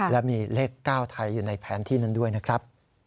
และมีเลข๙ไทยอยู่ในแผนที่นั้นด้วยนะครับ